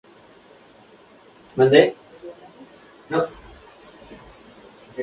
Por ejemplo el baloncesto y futbol americano.